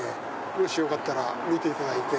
もしよかったら見ていただいて。